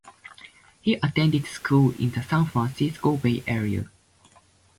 He attended school in the San Francisco Bay Area.